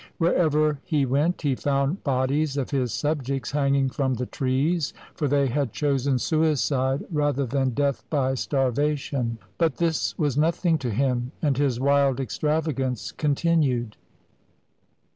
Wherever he went, he found bodies of his subjects hanging from the trees, for they had chosen suicide rather than death by starvation; but this was nothing to him, and his wild extrav agance continued.